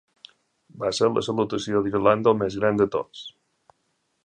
Va ser la salutació d'Irlanda al més gran de tots.